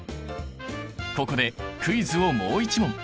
ここでクイズをもう一問。